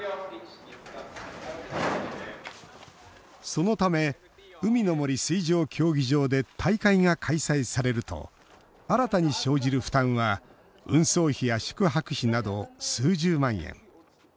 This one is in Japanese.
そのため、海の森水上競技場で大会が開催されると新たに生じる負担は運送費や宿泊費など数十万円。